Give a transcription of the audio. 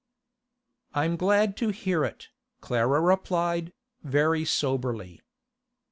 'I'm glad to hear it,' Clara replied, very soberly.